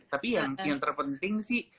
tapi yang terpenting sih